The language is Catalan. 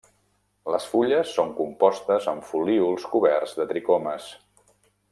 Les fulles són compostes amb folíols coberts de tricomes.